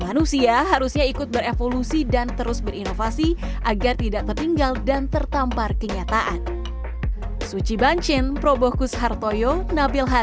manusia harusnya ikut berevolusi dan terus berinovasi agar tidak tertinggal dan tertampar kenyataan